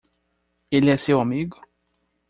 Ele é seu amigo?